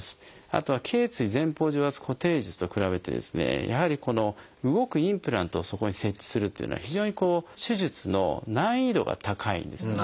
あとは頚椎前方除圧固定術と比べてですねやはり動くインプラントをそこに設置するというのは非常に手術の難易度が高いんですね。